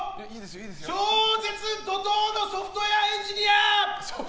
超絶怒涛のソフトウェアエンジニア！